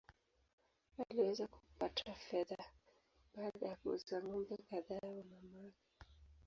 Aliweza kupata fedha baada ya kuuza ng’ombe kadhaa wa mamake.